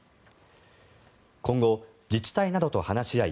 今後、自治体などと話し合い